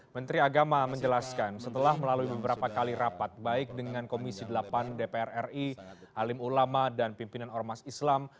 menteri agama menjelaskan setelah melalui beberapa kali rapat baik dengan komisi delapan dpr ri alim ulama dan pimpinan ormas islam